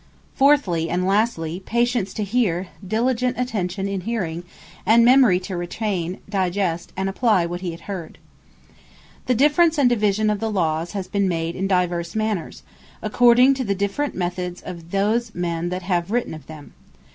Fourthly, and lastly, Patience To Heare; Diligent Attention In Hearing; And Memory To Retain, Digest And Apply What He Hath Heard. Divisions Of Law The difference and division of the Lawes, has been made in divers manners, according to the different methods, of those men that have written of them.